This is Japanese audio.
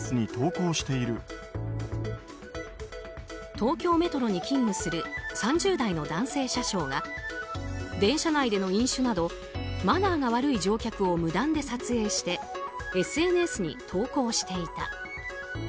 東京メトロに勤務する３０代の男性車掌が電車内での飲酒などマナーが悪い乗客を無断で撮影してＳＮＳに投稿していた。